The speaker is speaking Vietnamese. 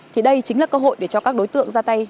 thì đây chính là cơ hội để cho các đối tượng ra tay